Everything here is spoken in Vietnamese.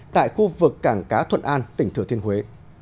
tại khu vực cảng cá thuận an tỉnh thừa thiên huế